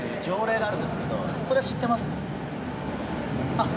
あっ。